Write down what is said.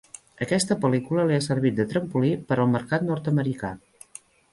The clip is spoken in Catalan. Aquesta pel·lícula li ha servit de trampolí per al mercat nord-americà.